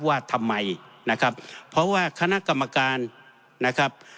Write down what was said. ว่าทำไมนะครับเพราะว่าคณะกรรมการนะครับ